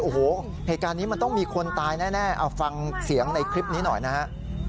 โอ้โหเหตุการณ์นี้มันต้องมีคนตายแน่เอาฟังเสียงในคลิปนี้หน่อยนะฮะ